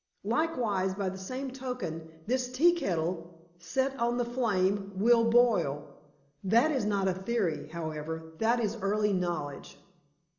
Likewise, by the same token, this tea kettle, set on the flame, will boil. That is not theory, however, that is early knowledge.